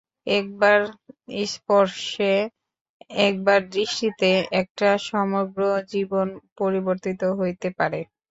একবার স্পর্শে, একবার দৃষ্টিতে একটা সমগ্র জীবন পরিবর্তিত হইতে পারে।